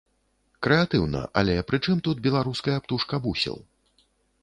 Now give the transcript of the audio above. Крэатыўна, але пры чым тут беларуская птушка бусел?